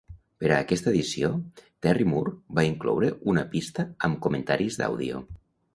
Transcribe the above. Per a aquesta edició, Terry Moore va incloure una pista amb comentaris d'àudio.